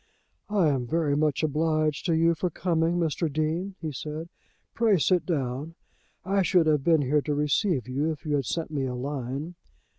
"I am very much obliged to you for coming, Mr. Dean," he said. "Pray sit down. I should have been here to receive you if you had sent me a line."